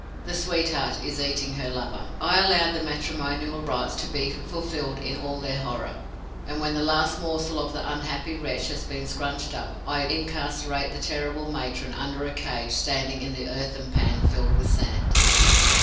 The sweetheart is eating her lover. I allow the matrimonial rites to be fulfilled in all their horror; and, when the last morsel of the unhappy wretch has been scrunched up, I incarcerate the terrible matron under a cage standing in an earthen pan filled with sand.